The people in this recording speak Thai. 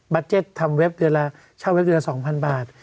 เจ็ตทำเว็บเดือนละเช่าเว็บเดือนละ๒๐๐บาท